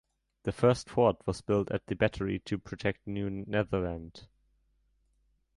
The first fort was built at the Battery to protect New Netherland.